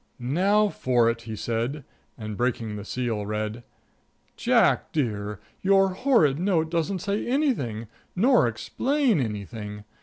"Now for it," he said, and breaking the seal read: "'Jack dear: Your horrid note doesn't say anything, nor explain anything.